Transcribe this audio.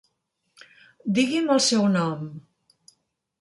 Digui'm el seu nom?